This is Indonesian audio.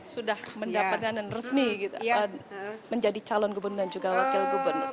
sudah mendapatkan dan resmi menjadi calon gubernur dan juga wakil gubernur